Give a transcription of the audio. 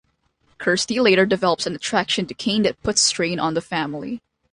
Kirsty later develops an attraction to Kane that puts strain on the family.